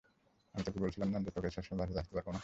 আমি তোকে বলেছিলাম না যে তোকে সবসময়ই বাচাতে আসতে পারব না?